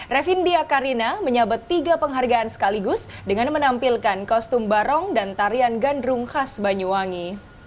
revindya karina menyabet tiga penghargaan sekaligus dengan menampilkan kostum barong dan tarian gandrung khas banyuwangi